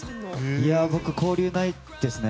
僕、交流ないですね。